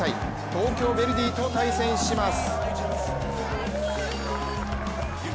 東京ヴェルディと対戦します。